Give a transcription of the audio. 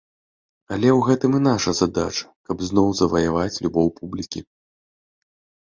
Але ў гэтым і наша задача, каб зноў заваяваць любоў публікі.